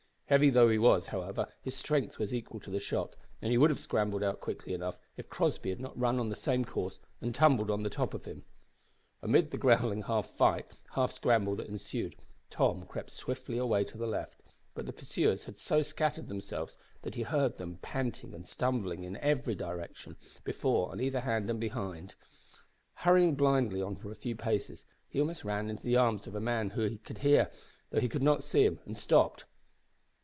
Heavy though he was, however, his strength was equal to the shock, and he would have scrambled out quickly enough if Crossby had not run on the same course and tumbled on the top of him. Amid the growling half fight, half scramble that ensued, Tom crept swiftly away to the left, but the pursuers had so scattered themselves that he heard them panting and stumbling about in every direction before, on either hand, and behind. Hurrying blindly on for a few paces, he almost ran into the arms of a man whom he could hear, though he could not see him, and stopped.